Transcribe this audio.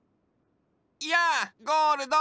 やあゴールド！